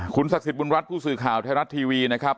ศักดิ์สิทธิบุญรัฐผู้สื่อข่าวไทยรัฐทีวีนะครับ